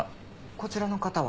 こちらの方は？